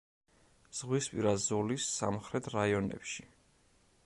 ზღვისპირა ზოლის სამხრეთ რაიონებში.